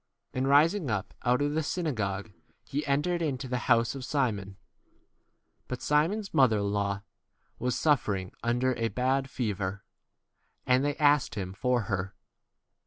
And rising up out of the synagogue, he entered into the house of Simon. But Simon's mother in law was suffering under a bad fever ; and they asked him 39 for her.